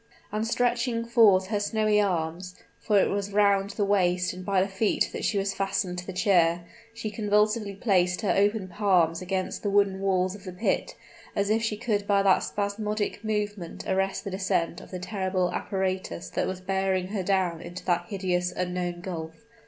And stretching forth her snowy arms (for it was round the waist and by the feet that she was fastened to the chair), she convulsively placed her open palms against the wooden walls of the pit, as if she could by that spasmodic movement arrest the descent of the terrible apparatus that was bearing her down into that hideous, unknown gulf!